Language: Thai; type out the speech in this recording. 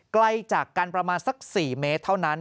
ใกล้จากกันประมาณสัก๔เมตรเท่านั้น